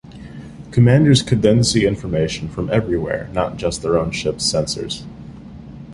Commanders could then see information from everywhere, not just their own ship's sensors.